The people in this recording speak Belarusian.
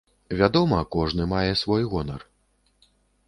Вядома, кожны мае свой гонар.